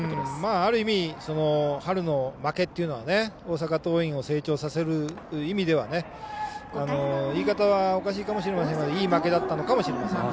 ある意味春の負けというのは大阪桐蔭を成長させる意味では言い方はおかしいかもしれませんがいい負けだったのかもしれません。